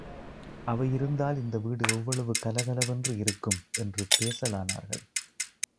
அவை இருந்தால் இந்த வீடு எவ்வளவு கலகலவென்று இருக்கும்! என்று பேசலானார்கள்.